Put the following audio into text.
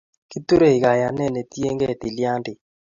kiturei kayanet ne tiengei tilyandit